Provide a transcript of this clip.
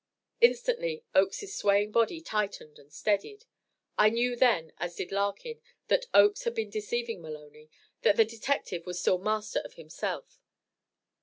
Instantly Oakes's swaying body tightened and steadied. I knew then, as did Larkin, that Oakes had been deceiving Maloney that the detective was still master of himself.